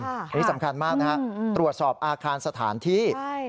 อันนี้สำคัญมากนะฮะตรวจสอบอาคารสถานที่